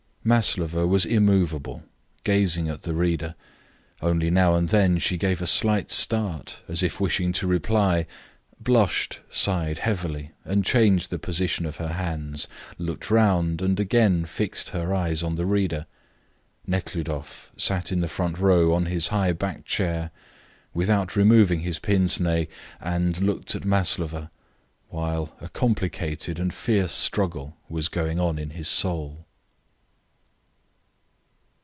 Maslova sat immovable, gazing at the reader; only now and then she gave a slight start, as if wishing to reply, blushed, sighed heavily, and changed the position of her hands, looked round, and again fixed her eyes on the reader. Nekhludoff sat in the front row on his high backed chair, without removing his pince nez, and looked at Maslova, while a complicated and fierce struggle was going on in his soul.